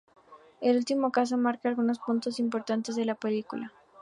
El último caso marca algunos puntos importantes de la película.